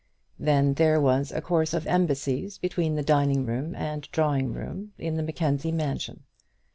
Then there was a course of embassies between the dining room and drawing room in the Mackenzie mansion.